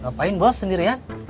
ngapain bos sendirian